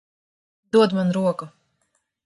Dod man roku.